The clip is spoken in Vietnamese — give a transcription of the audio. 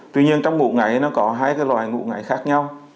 tuy nhiên trong ngủ ngáy nó có hai loại ngủ ngáy khác nhau